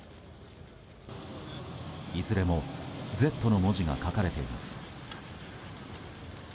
いずれも「Ｚ」の文字が書かれています。